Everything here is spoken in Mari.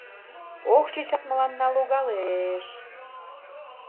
— Ох, чечас мыланна логалеш!